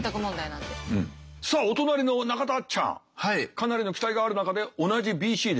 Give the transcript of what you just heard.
かなりの期待がある中で同じ「ＢＣ」です。